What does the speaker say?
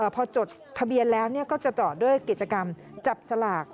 พอจดทะเบียนแล้วก็จะต่อด้วยกิจกรรมจับสลาก